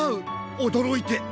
おどろいて！